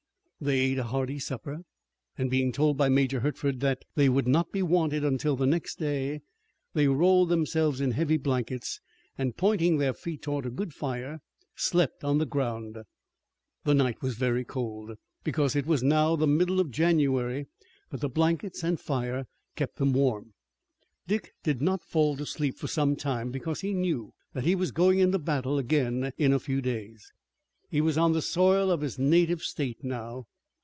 They ate a hearty supper and being told by Major Hertford that they would not be wanted until the next day, they rolled themselves in heavy blankets, and, pointing their feet toward a good fire, slept on the ground. The night was very cold, because it was now the middle of January, but the blankets and fire kept them warm. Dick did not fall to sleep for some time, because he knew that he was going into battle again in a few days. He was on the soil of his native state now.